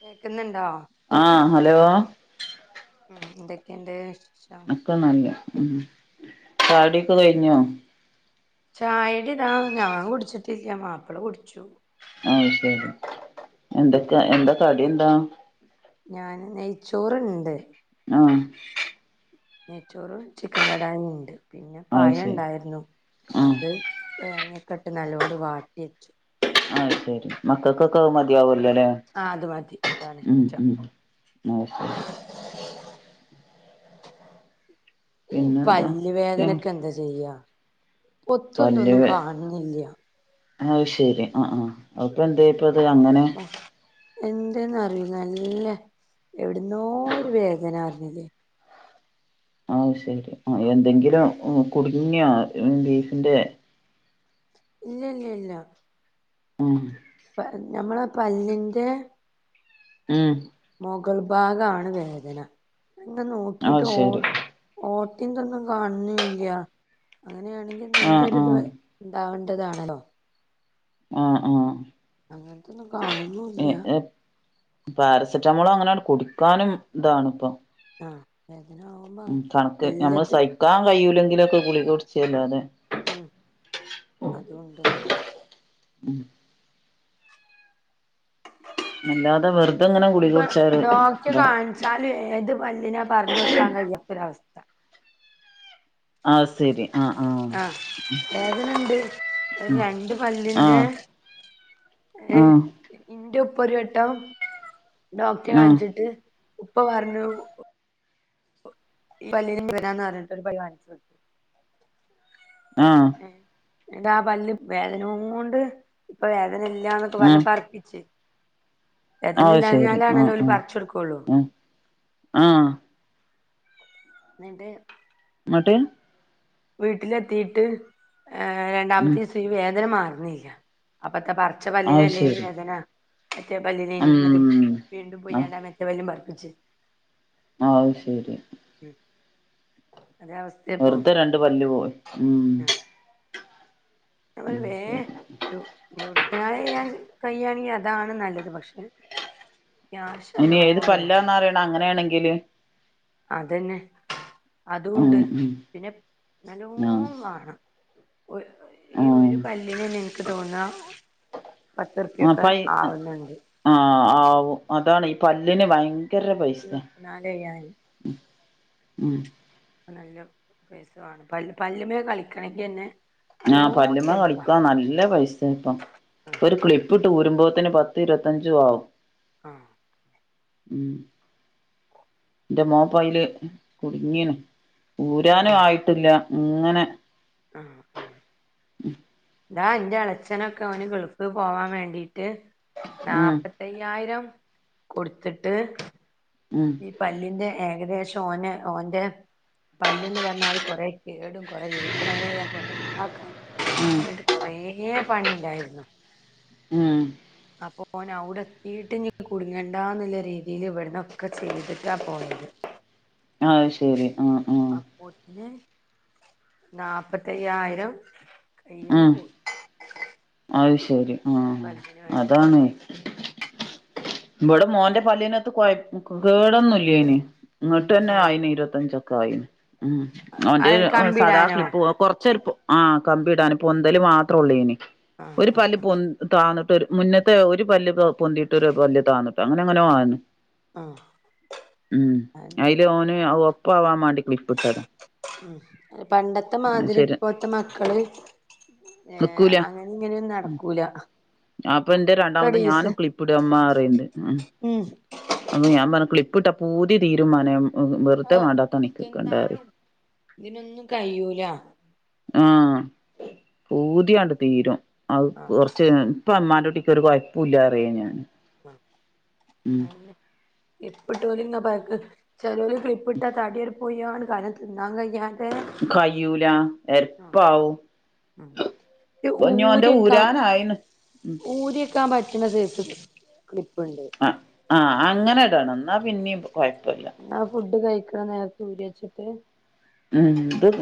കേക്കുന്നുണ്ടോ ആഹ് ഹലോ ഉം എന്തൊക്കെണ്ട് വിശേഷം ക്കെ നല്ലഹ് ഉം ചായുട്യൊക്കെ കഴിഞ്ഞോ ചായുടിതാ ഞാൻ കുടിച്ചിട്ടില്ല മാപ്പിള കുടിച്ചു അഹ് ശരി ഓല് എന്തക്ക ജോബിന് എന്താ കടി എന്താ ഞാൻ നെയ്ച്ചോറ്ണ്ട് ആഹ് നെയ്ച്ചോറും ചിക്കൻ കടായുണ്ട് പിന്നെ അത് ശരി പഴണ്ടായിരുന്നു ആഹ് അത് തേങ്ങക്കെട്ട് നല്ലോട് വാറ്റി വെച്ചു ആഹ് ശരി മക്കൾക്കൊക്കെ മതിയാവലോല്ലേ ആഹ് അത് മതി അതാണ് ഇഷ്ടം [unintelligible] പിന്നെന്താ പല് വേദനക്കെ എന്താ ചെയ്യാ പൊത്തും തൊന്നും കാണുന്നില്ല അഹ് ശരി ആഹ് ആഹ് അഹ്പ്പന്തേ പ്പത് അങ്ങനെ എന്തെന്ന അറി നല്ല എവിടന്നോ ഒരു വേദന അറിഞ്ഞില്ലേ ആഹ് ശരി ആ എന്തെങ്കിലും കുടുങ്ങിയോ ബീഫിന്റെ ഇല്ല ഇല്ല ഇല്ല ആഹ് പ ഞമ്മള പല്ലിന്റെ ഉം മൊഗൾ ഭാഗാണ് വേദനന്നെ നോക്കിട്ട് അത് ഓർ ശരി ഓട്ടിന്തൊന്നും കാണുന്നുല്ല അങ്ങനെയാണെങ്കിൽ എന്തെങ്കി ആഹ് ഒരു ആഹ് ത് ണ്ടാവേണ്ടതാണല്ലോ ആഹ് ആഹ് അങ്ങൻത്തെന്നും കാണുന്നുല്ല പാരസെറ്റാമോളോ അങ്ങനെ കുടിക്കാനും ഇതാണ് ഇപ്പൊ ആഹ് വേദന ആകുമ്പോ എല്ലാത്തി ക്കാ കയ്യുല്ലെങ്കിലൊക്കെ ഗുളികുടിച്ചല്ലാതെ ഉം അതൊണ്ട് അല്ലാതെ വെറുതെങ്ങനെ ഗുളികുടിച്ചഒരു ഇതാ താല് ഏത് പല്ലിനാ പർഞൊടുക്കാൻ കഴിയാത്തൊരവസ്ഥ ആഹ് ശരി ആഹ് ആഹ് വേദനണ്ട് ഒരു രണ്ട് പല്ലിന്റെ ഏ ആഹ് ഇന്റെ ഉപ്പ ഒരു വട്ടം ഡോക്ടറെ ആഹ് കാണിച്ചിട്ട് ഉപ്പ പറഞ്ഞു ഇ പല്ലിന് [unintelligible] പർഞ്ട്ട് ഒരു പല്ല് ആൺച്ണ് ആഹ് ഉം ഇന്റാ ആ പല്ല് വേദനോണ്ട് ഇപ്പൊ വേദനല്ല്യാന്നൊക്കെ പർഞ് ആഹ് പർപ്പിച്ച് അത് ശരി ആഹ് എദനില്ലാഞ്ഞാലാണല്ലോല് ആഹ് പറച്ചെടുക്കോള്ളൂ ആഹ് ആഹ് ന്നിട്ടെ ങ്ങട്ട് വീട്ടിലെത്തിയിട്ട് ഏഹ് ഉം രണ്ടാമത്തീസം ഈ വേദന മാറുന്നില്ല അപ്പത്തെ പറ ച്ചെ അത് പല്ലിലല്ലേനി ശരി വേദന മറ്റേ പല്ലിലിനി എന്നതും ഉം വീണ്ടും പോയി ആഹ് ഞാനാ മറ്റേ പല്ലും പറപ്പിച്ചി ആത് ശരി ഉം അതേ അവ വെറുതെ രണ്ടു പല്ലു പോയി ഉം ആഹ് ഉം ശരി [unintelligible] കഴിയാണെങ്കി അതാണ് നല്ലത് പക്ഷെ കാഷ് ഇനി ഏത് നല്ലോണം വേണം പല്ലാന്നറിയണം അങ്ങനെയാണെങ്കില് അതന്നെ അതു ഉം ഉണ്ട് ഉം പിന്നെ നല്ലോ ആഹ് വേണം ഒഹ് ഈ ആഹ് ഒരു പല്ലിനന്നെ എനിക്ക് തോന്നാ അപ്പ പത്തുറുപ്പ്യൊക്കെ ഈ ആവുന്നുണ്ട് ആഹ് ആവും അതാണ് ഈ പല്ലിന് ഭയങ്കര പൈസ ഇരുപത്തിനാലയ്യായിരം ഉം ഉം നല്ലം പേസമാണം പല്ല് പല്ലിമ്മേ കളിക്കണങ്കി തന്നെ ആഹ് പല്ലുമ്മേ കളിക്കുവാ നല്ല പൈസേട്ടോ ഒരു ക്ലിപ്പിട്ടൂരുമ്പോത്തേന് പത്തിരുപത്തഞ്ചും ആവും ആഹ് ഉം എന്റെ മോപ്പയിലെ കുടുങ്ങീനും ഊരാനും ഏഹ് ആയിട്ടില്ല ഇങ്ങനെ ആഹ് ആഹ് എന്താ ഇന്റാളച്ചനൊക്കെ ഓന് ഗൾഫി പോകാൻ വേണ്ടീട്ട് ഉം നാപ്പത് അയ്യായിരം കൊടുത്തിട്ട് ഉം ഈ പല്ലിന്റെ ഏകദേശം ഓന് ഓന്റെ പല്ലെന്ന് പറഞ്ഞാല് കൊറേ കേടും കുറേ റൂട്ട്ക്കനാലു ചെയ്യാൻ പോയത് ഒഴിവാക്കാൻ ഉം അട്ട് കൊറേ പണീണ്ടായിരുന്നു ഉം അപ്പൊ ഓനവിടെത്തീട്ട് കുടുങ്ങണ്ടാന്നുള്ള രീതിയിലെ ഇവിടന്ന് ഒക്കെ ചെയ്തിട്ടാ പോയത് അഹ് ശെരി ആഹ് ആഹ് അതെ നാപ്പത്തയ്യായിരം കയ്യീന്ന് ഉം പോയി അത് ശരി ആഹ് പല്ലിന് വേണ്ടി അതാണ് ഇവിടെ മോന്റെ പല്ലിനത്ത് കൊയ കേടൊന്നൂല്ല അയിനെ എന്നിട്ടന്നെ ആഹ് ആയിന് ഇരുപത്തഞ്ചൊക്കായിന് ഉം അത് ഓന്റെനെ ഏഹ് കമ്പിടാനോ ആഹ് സദാക്ലിപ്പുവാ കൊറച്ചൊരുപ്പ ആഹ് കമ്പിയിടാന് പൊന്തല് മാത്രം ഒള്ളൂ ഇനി ഒരു ആഹ് പല്ല് പൊന്ത്‌ താന്നിട്ടൊരു മുന്നത്തെ ഒരുപല്ലിപ്പം പൊന്തിട്ടൊരു പല്ലെ താന്നിട്ട് അങ്ങനെങ്ങനോ ആനെ ആഹ് ആഹ് ഉം അതന്നെ അയില് ഓന് ഒപ്പാവാൻ വേണ്ടി ക്ലിപ്പിട്ടതാ പണ്ടത്തെ മാതിരി ഇപ്പോയത്തെ മക്കള് ഏഹ് നിക്കൂല അങ്ങനിങ്ങനെയൊന്നും നടക്കൂല അപ്പം എന്റെ ഒക്കെ രണ്ടാമത് ഡീസ് ഞാനും ക്ലിപ്പിടാമ്മ പറയണ്ട് ഉം അപ്പം ഞാൻ പറഞ്ഞെ ക്ലിപ്പിട്ടാ പൂതി തീരും മോനെ ഉം വെറുതെ വേണ്ടാത്ത തിന്നാനും നിക്കണ്ടാറിയാം ഇതിനൊന്നും കഴിയൂല ആഹ് പൂതിയണ്ട് തീരും അത് ആഹ് കൊറച്ച് ഇപ്പ ഉമ്മാന്റെ കുട്ടിക്ക് ഒരു കുഴപ്പല്ല അറിയ ഞാൻ [unintelligible] ചെലോൽ കിപ്പിട്ടാ താടിയർ പോയിയാണ് കന തിന്നാൻ കഴിയാണ്ടെ കയ്യൂല എരപ്പാവും ഉം ഇനി ഓന്റെ ഊരിയെക്കാൻ ഊരാനായിന്ന് ഊരിയെക്കാൻ പറ്റണ സൈസ് ക്ലിപ്പുണ്ട് ആഹ് ആഹ് അങ്ങനെ ഇടണം. ന്നാ പിന്നിം കോയപ്പോല്ല്യാ ആഹ് ഫുഡ് കഴിക്കണ നേരത്തത് ഊരി വച്ചിട്ട് ഉം ഇത്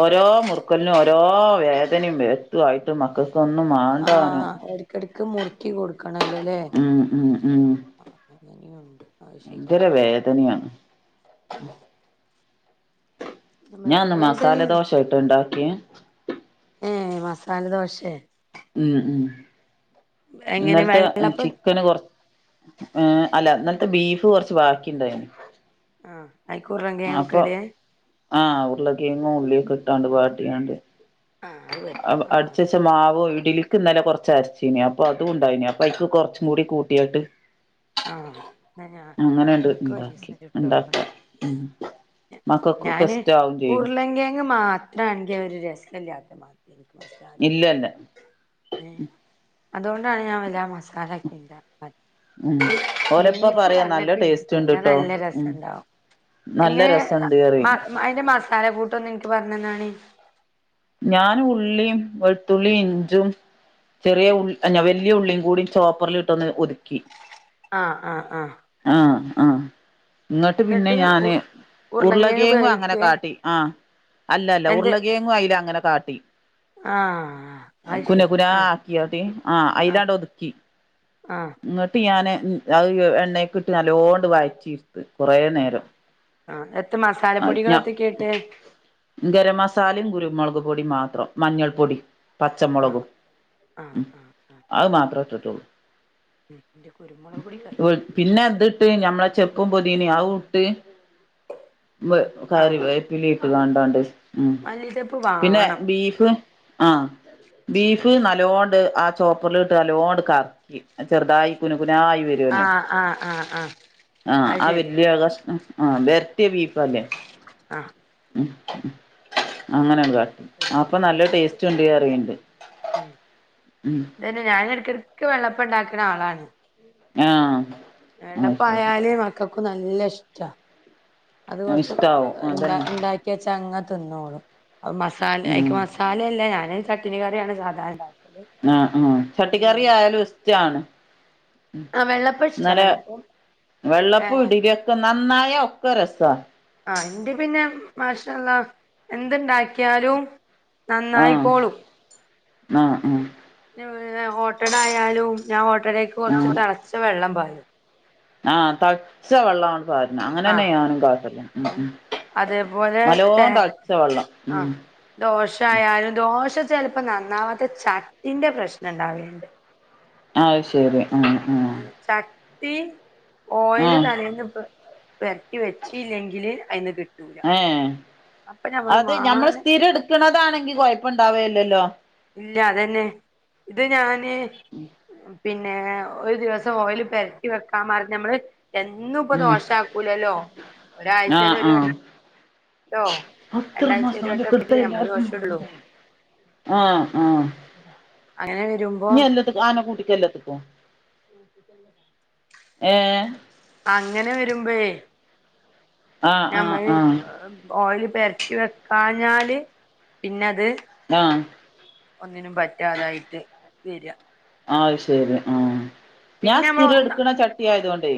ഓരോ മുറുക്കലിനും ഓരോ വേദനയും വ്യത്ത്തും ആയിട്ട് മ്മക്ക്. തൊന്നുമാ ആഹ് എടക്കെടയ്ക്ക് മുറ്ക്കി കൊടുക്കണല്ലോല്ലേ? ഉം ഉം ഉം അങ്ങനെണ്ട് ഭയങ്കര വേദനയാണ് നമ്മള് ഞാന് ഒന്ന് വേദന മസാല ദോശായിട്ട് ഇണ്ടാക്കിയ ഏഹ് മസാല ദോശേ? ഉം ഉം എങ്ങനെ ന്നട്ട് വെള്ളപ്പം ചിക്ക് ത്ത്ന് കൊറ ഏഹ് അല്ല ഇന്നൽത്തെ ബീഫ് കുറച്ച് ബാക്കിണ്ടായ്ണു ആഹ് ആയിക്കൂറങ്കെയോക്കെട് ആഹ് ഉരുളക്കെങ്ങും ഉള്ളിയൊക്കെ ഇട്ടാണ്ട് വാട്ടിയാണ്ട് ആഹ് അത് അവ് പറ്റും ആഹ് അടിച്ചെച്ച മാവോ ഇഡ്ലി ക്ക് ന്നലെ കൊറച്ച് അരച്ചീനി അപ്പോ അതും ഉണ്ടായിനി. അപ്പോ അയ്ക്ക് കൊറച്ചും കൂടി കൂട്ടിയാട്ട് ആഹ് ആന്നോ എനിക്കും ഒരീസം ചുട്ടോക്കണം ഉം ഞാന് ഉർലങ്കയങ്ങ് മാ ത്രാണെങ്കിൽ ഒരു രസ ഇല്യാത്ത മാതിരിയാനിക്ക് മസാല ഇല്ലല്ല ല്ല അതോണ്ടാണ് ഞാൻ വല്ല മസാല ഒക്കെ ഇണ്ടാക്കാന് ഉം ഓലപ്പ ബീഫ് പറയാ നല്ല പറഞ്ഞപ്പ എനിക്ക് ടേസ്റ്റ് തോന്നി അത് ഇണ്ട്ട്ടോ നല്ല ഉം രസംണ്ടാവും. നല്ല എങ്ങനെ രസണ്ട് പറയും മ അയിന്റെ മസാല കൂട്ടോന്ന് എനിക്ക് പറഞ്ഞന്നാണി. ഞാൻ ഉള്ളീം വെളുത്തുള്ളീം ഇഞ്ചും ചെറിയ ഉ അല്ല വല്യ ഉള്ളീം കൂടി ചോപ്പറിലിട്ടൊന്ന് ഒതുക്കി. ആഹ് ആഹ് ആഹ് ആഹ് ആഹ് ഇങ്ങട്ട് പിന്നെ ന്നിട്ട് ഉ ഞാന് ഉരുളങ്കിഴങ്ങ് ഉരുളകേങ്ങും അങ്ങനെ വേവിക്കേ കാട്ടി. ആഹ് അല്ല അല്ല എന്ത് ഉരുളകേങ്ങും അയിലങ്ങനെ കാട്ടി ആഹ് അത് കുനെ ശരി കുന ആഹ് ആക്കിയാത്? ആഹ് അയില്ലാണ്ട് ഒതുക്കി ആഹ് ന്നിട്ട് ഞാന് അത് എണ്ണയൊക്കെ ഇട്ട് നല്ലോണ്ട് വഴറ്റി ഇടുത്ത് കൊറേ നേരം ആഹ് എത്ത് ആഹ് ഞ മസാലപ്പൊടികളൊത്തെക്കേട്ട്? ഗരം മസാലേം കുരുമൊളക് പൊടിം മാത്രം മഞ്ഞൾ പൊടിം പച്ചമൊളകും ആഹ് ആഹ് ഉം ആഹ് അത് മാത്രേ എട്ട്ട്ടുള്ളൂ ഉം ന്റെ കുരുമൊളക് പൊടി കഴിഞ്ഞിക്ക്ണ് പിന്നെ അതിട്ട് ഞമ്മളെ ചെപ്പും പൊതിനേം അവും ഇട്ട് വ് കറി വീട്ട്താണ്ടാണ്ട് ഉം മല്ലി ചപ്പ് വാ പിന്ന ബീഫ് ആഹ് ബീഫ് നല്ലോണ്ട് ആ ചോപ്പറില് ഇട്ട് നല്ലോണ്ട് കറക്കി ചെറുതായി കുനുക്കുന ആയി വര്വോല്ലോ. ആഹ് ആഹ് ആഹ് ആഹ് ആഹ് അത് ആ ശരി വല്യ കഷ്ണം ആഹ് വെരട്ട്യ ബീഫല്ലേ? ആഹ് ആഹ് ആഹ് ഒരുവട്ടം അപ്പ നല്ല ഇണ്ടാക്കിയോക്കണം ടേസ്റ്റ്ണ്ട് പറിയണ്ട്. ഉം ഞാനൊര് ട്രിക്ക് വെള്ളപ്പണ്ടാക്കണ ആളാണ് ആഹ് അത് ശരി വെള്ളപ്പായാല് മക്കക്ക് നല്ല ഇഷ്ടാ അത് കൊറച്ച് ഏഹ് ഇഷ്ടാവും ണ്ടാ അതന്നെ ണ്ടാക്ക് ച്ച ങ്ങ തിന്നോളും അത് മസാല ആയിക്ക് ഉം മസാലല്ല ഞാന് ചട്ടില് കറ്യാണ്. സാധാരണ ആഹ് ആഹ് ചട്ടിക്കറി ഞാനിങ്ങനെ ആയാലും ഇണ്ടാക്കും ഇഷ്റ്റാണ് ആഹ് വെള്ളപ്പം ഇഷ്ടാ ഇന്നലെ വെള്ളപ്പം വെള്ളപ്പ ഇ ഏഹ് ഡലൊക്കെ നന്നായ ഒക്കെ രസ ആ അന്റെ പിന്നെ മാഷ അല്ലാഹ് എന്തുണ്ടാക്കിയാലും ആഹ് നന്നായിക്കോളും ആഹ് ഉം ഓട്ടട ആയാലും ഞാൻ ഓട്ടടേക്ക് കുറച്ച് ആഹ് തിളച്ച വെള്ളം പാരും ആഹ് തളച്ച വെള്ളമാണ് പാരണ് അങ്ങനെ തന്നെ ആഹ് ഞാനും പാരണത് ഏഹ് ഉം അതേപോലെ നല്ലോ തേ തളിച്ച വെള്ളം ഉം ആഹ് ദോശ ആയാലും ദോശ ചിലപ്പോ നന്നാവാത്ത ചട്ടിന്റെ പ്രശ്നം ഉണ്ടാവലുണ്ട് അത് ശെരി ഉം ഉം ചട്ടി ഓയില് ആഹ് തലേന്ന് പ്പ വരട്ടി വെച്ച് ഇല്ലെങ്കിൽ അതിന്ന് കിട്ടും ഏ അത് ഞമ്മൾ മാനം സ്ഥിരം എടുക്കണതാണെങ്കി കുഴപ്പ ഇണ്ടാവേല്ലല്ലോ ഇല്ല അതന്നെ ഇത് ഞാന് പിന്നെ ഒരു ദിവസം ഓയില് പരട്ടി വെക്കാൻ പറഞ്ഞു നമ്മള് എന്നും ഇപ്പം ഉം ദോശ ആക്കൂലല്ലോ ഒരാഴ്ചൽ ആഹ് ഒരു ആഹ് വട്ടോ രണ്ടാഴ്ച ഒരു വട്ടൊക്കെല്ലേ നമ്മള് ദോശ ഇടുള്ളൂ [unintelligible] ആഹ് ആഹ് അങ്ങനെ വരുമ്പോ ആനക്കൂട്ടിക്ക എല്ലാത്തക്കും ഏഹ് അങ്ങനെ വരുമ്പേ ആഹ് ആഹ് നഞമ്മള് ആഹ് ഓയില് പരട്ടി വെക്കാഞ്ഞാല് പിന്നെത് ആഹ് ഒന്നിനും പറ്റാതായിട്ട് വര്യ അത് ശരി ആഹ ഞാൻ പിന്നെ നമ്മൾ സ്ഥിരം ഒന്ന് എടുക്കണ ചട്ടിയായതുകൊണ്ടേ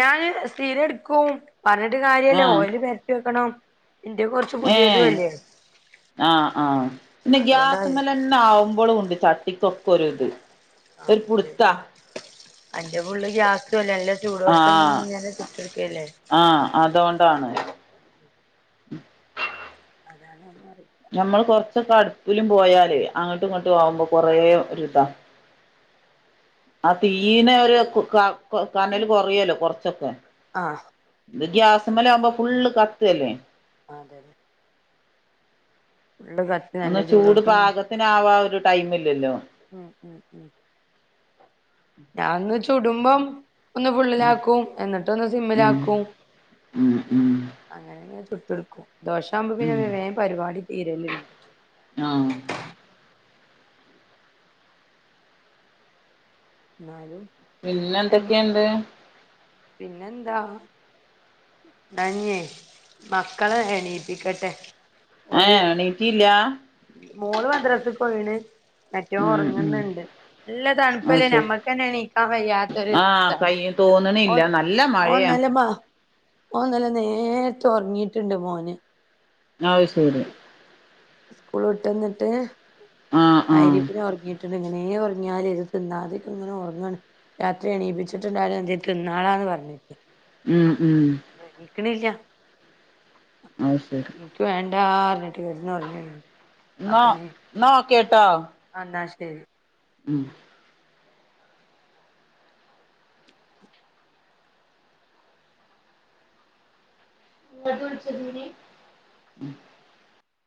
ഞാന് സ്ഥീര എടുക്കും പറഞ്ഞിട്ട് കാര്യല്ലേ ആഹ് ഓയില് പരറ്റിവെക്കണം എന്റെ കുറച്ച് ഏ പുതിയതും അല്ലേ ഹ്ആഹ് ആഹ്പിന്നെ ഗ്യാസ്ല് മല് അതുകൊണ്ടായിരിക്കും ന്നെ ആവുമ്പോഴും ഉണ്ട് ചട്ടിക്കൊക്കെ ഒരു ഇത് ഒരു ആഹ് പുടുത്താ അന്റെ ഫുള്ള് ഗ്യാസല്ല അല്ല ആഹ് ചൂടൊടുക്കഞെങ്ങനെ ചുട്ടടുക്കല്ലേ ആഹ് അതുകൊണ്ടാണ് [unintelligible] നമ്മൾ കുറച്ചൊക്കെ അടുപ്പിലും പോയാലെ അങ്ങോട്ടും ഇങ്ങോട്ട് ആഹ് പോകുമ്പോ കൊറെ ഒരു ഇതാ ആ തീയ്യിനെ ഒരു പിൻ കനല് കൊറയല്ലോ കൊറച്ചൊക്കെ ആഹ് ഇത്ഗ്യാസ് മേൽ ആവുമ്പോ ഫുള്ള് കത്തുവല്ലേ അ അതെ ള്ളത് ഒന്ന് ചൂട് പാകത്തിനാവാ ഒരു ടൈം ഇല്ലല്ലോ ഉം ഉം ഉം ഞാൻന്ന് ചുടുമ്പം ഒന്ന് ഉം ഫുള്ളിലാക്കും എന്നിട്ട് ഒന്ന് ഉം സിമ്മിലാക്കും ഉം ഉം അങ്ങനെങ്ങനെ ചുട്ട് എടുക്കും ദോശ ആവുമ്പോ പിന്നെ ഉം വേഗം പരിപാടി തീരലുണ്ട് ആഹ് ന്നാലും പിന്നെ എന്തൊക്കെയുണ്ട് പിന്നെന്താ ന്നാഞ്ഞേ മക്കളെ എണീപ്പിക്കട്ടെ ഏഹ് ഓല് എണീറ്റി ല്ലാ മോള് മദ്രസ്സക്ക് പോയിണ് മറ്റൊന് ഉം ഉം ഉറങ്ങുന്നുണ്ട് നല്ല തണു അത് പ്പല്ലേ ശരി നമ്മക്കെന്നെ ണീക്കാംവെയ്യാത്തൊര് ആഹ് കൈ താണ്. ഓ തോന്നണില്ല നല്ല മഴയാ ഓൻന്നലെ ബാ ഓൻന്നലെ നേര്ത്തെ ഒർങ്ങീട്ട്ണ്ട് മോന്. ന്നാ അഅ് ശെരി. സ്കൂള് വിട്ടെന്ന്ട്ട് ആഹ് ആഹ് മയ്രിബിനൊർങ്ങി ല്ലെങ്ങനേ ഒർങ്ങ്യാല് ത് തിന്നാതെക്കെങ്ങനെ ഒർങ്ങാണ്. രാത്രി എണീപ്പിച്ചിട്ട്ണ്ടായാ എന്തേതിന്നാളാന്ന് പർഞ്ഞി [unintelligible] ഉം, ഉം. എണീക്ക്ണില്ല അഅ് ശെരി. നിക്ക് വേണ്ടാർഞ്ഞിട്ട് കെട്ന്നൊർങ്ങ്യോണ്. ന്നോ ന്നാ ഓക്കേട്ടോ. ആഹ്, ന്നാ ശെരി. ഉം. [unintelligible] ഉം.